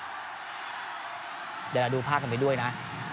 เดี๋ยวเราดูภาพกันไปด้วยนะ